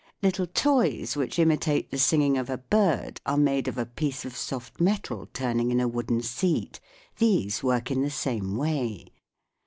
Little toys which imitate the sing ing of a bird are made of a piece of soft metal turning in a wooden seat. These work in the same way.